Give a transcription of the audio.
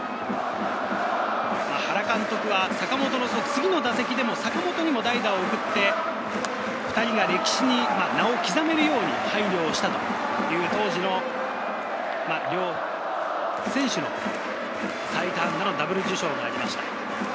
原監督は坂本の次の打席でも坂本に代打を送って、２人が歴史に名を刻めるように配慮したという当時の選手のダブル受賞になりました。